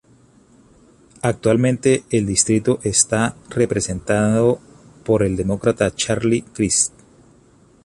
Actualmente el distrito está representado por el Demócrata Charlie Crist.